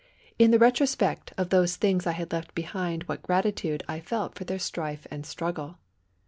In the retrospect of those things I had left behind what gratitude I felt for their strife and struggle!